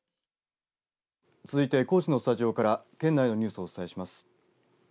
続いて、高知のスタジオから県内のニュースをお伝えします。